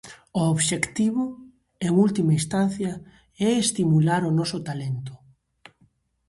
O obxectivo, en última instancia, é estimular o noso talento.